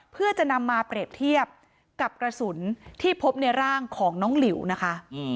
เพื่อจะนำมาเปรียบเทียบกับกระสุนที่พบในร่างของน้องหลิวนะคะ